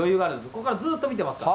ここはずっと見てますから。